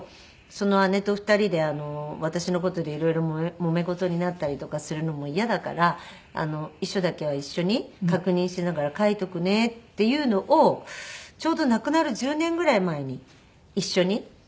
その姉と２人で私の事で色々もめ事になったりとかするのも嫌だから遺書だけは一緒に確認しながら書いておくねっていうのをちょうど亡くなる１０年ぐらい前に一緒に。